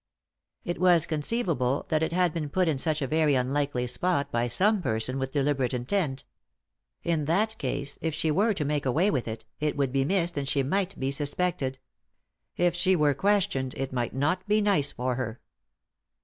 It was conceivable that it had been put in such a very unlikely spot by some person with deliberate intent. In that case, if she were to make away with it, it would be missed and she might be suspected. If she were questioned it might not be nice for her.